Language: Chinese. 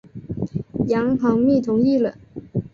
杨行密同意了。